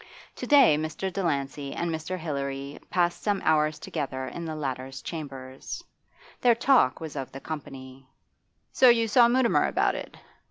To day Mr. Delancey and Mr. Hilary passed some hours together in the latter's chambers. Their talk was of the company. 'So you saw Mutimer about it?